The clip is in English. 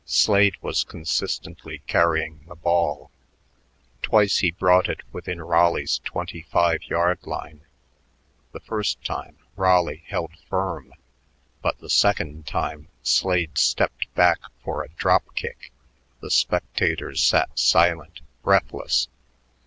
Slade was consistently carrying the ball. Twice he brought it within Raleigh's twenty five yard line. The first time Raleigh held firm, but the second time Slade stepped back for a drop kick. The spectators sat silent, breathless.